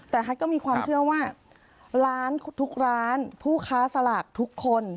แต่ฮัทก็มีความเชื่อว่าร้านทุกร้านผู้ค้าสลากทุกคน